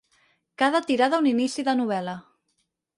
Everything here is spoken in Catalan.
Cada tirada un inici de novel.la.